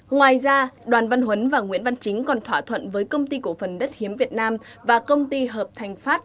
ngoài ra đoàn văn huấn và nguyễn văn chính còn thỏa thuận với công ty cổ phần đất hiếm việt nam và công ty hợp thành pháp